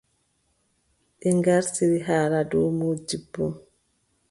Ɓe ngartiri haala dow moodibbo.